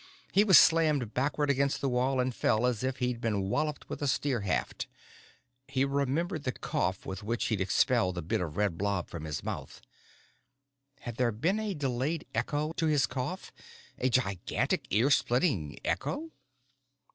He was slammed backwards against the wall and fell as if he'd been walloped with a spear haft. He remembered the cough with which he'd expelled the bit of red blob from his mouth. Had there been a delayed echo to his cough, a gigantic, ear splitting echo?